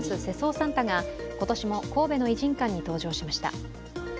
サンタが今年も神戸の異人館に登場しました。